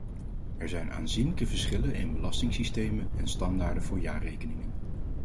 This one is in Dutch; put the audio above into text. Er zijn aanzienlijke verschillen in belastingsystemen en standaarden voor jaarrekeningen.